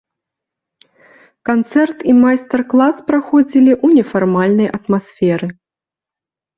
Канцэрт і майстар-клас праходзілі ў нефармальнай атмасферы.